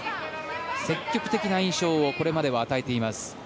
積極的な印象をここまでは与えています。